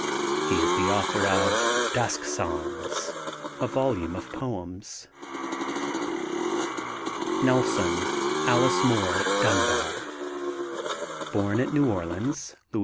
He is the author of Dusk Songs, a volume of poems. NELSON, ALICE MOORE (DUNBAR). Born at New Orleans, La.